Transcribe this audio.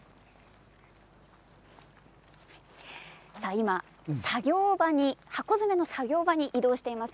今、箱詰めの作業場に移動しています。